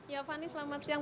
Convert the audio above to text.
ya fani selamat siang